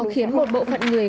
khiến một bộ phận người